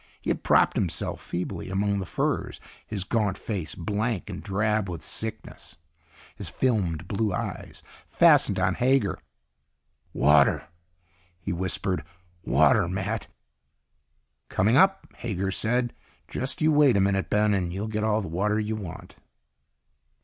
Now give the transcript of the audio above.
He had propped himself feebly among the furs, his gaunt face blank and drab with sickness. His filmed blue eyes fastened on Hager. "Water," he whispered. "Water, Matt." "Coming up," Hager said. "Just you wait a minute, Ben, and you'll get all the water you want."